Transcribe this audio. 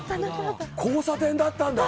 交差点だったんだ！